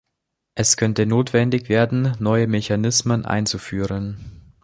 Es könnte notwendig werden, neue Mechanismen einzuführen.